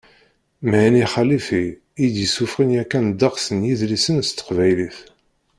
Mhenni Xalifi, i d-yessuffɣen yakan ddeqs n yidlisen s teqbaylit.